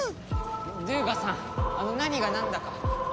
ドゥーガさんあの何がなんだか。